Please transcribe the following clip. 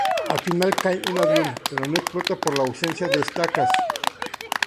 Al final cae un avión, pero no explota por la ausencia de las estacas.